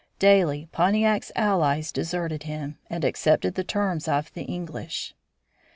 Daily Pontiac's allies deserted him, and accepted the terms of the English.